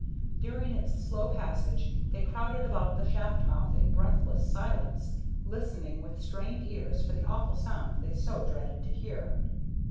During its slow passage they crowded about the shaft mouth in breathless silence, listening with strained ears for the awful sound they so dreaded to hear.